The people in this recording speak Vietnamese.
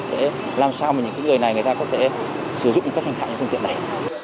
để làm sao mà những người này người ta có thể sử dụng cách hành thải những phương tiện này